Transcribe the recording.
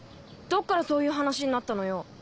どっからそういう話になったのよ。